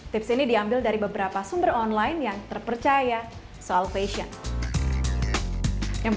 tips ini diambil dari beberapa sumber online yang terpercaya soal fashion